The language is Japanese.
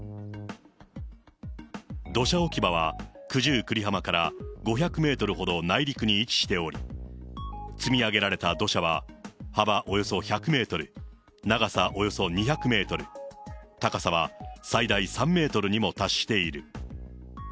土砂置き場は九十九里浜から５００メートルほど内陸に位置しており、積み上げられた土砂は幅およそ１００メートル、長さおよそ２００メートル、高さは最大３メートルにも達している。